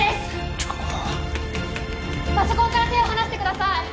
時刻はパソコンから手を離してください！